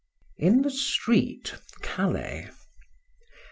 IN THE STREET. CALAIS.